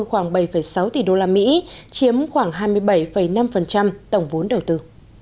khoảng bảy sáu tỷ đô la mỹ chiếm khoảng hai mươi bảy năm tổng vốn đầu tư